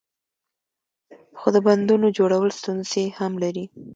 خو د بندونو جوړول ستونزې هم لري.